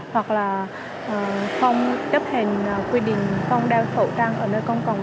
hoặc không chấp hình quy định không đeo khẩu trang nơi công cộng